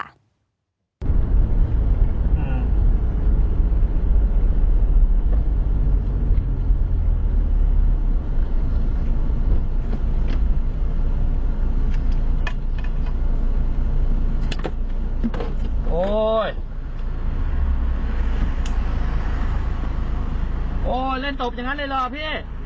โอ้เล่นตบอย่างนั้นเลยเหรอพี่เล่นตบอย่างนั้นเลยเหรอ